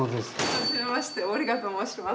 はじめましてオリガと申します。